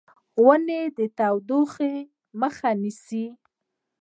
ونې د تودوخې مخه نیسي.